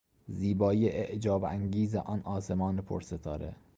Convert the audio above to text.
زیبایی اعجاب انگیز آن آسمان پرستاره